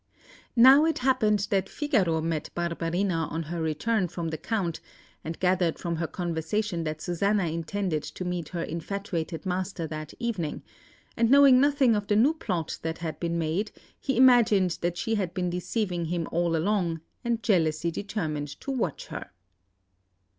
Now, it happened that Figaro met Barbarina on her return from the Count, and gathered from her conversation that Susanna intended to meet her infatuated master that evening; and knowing nothing of the new plot that had been made, he imagined that she had been deceiving him all along, and jealously determined to watch her.